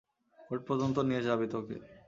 Court পর্যন্ত নিয়ে যাবে তোকে।